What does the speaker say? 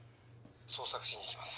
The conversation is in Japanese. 捜索しに行きます。